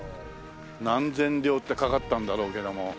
何千両ってかかったんだろうけども。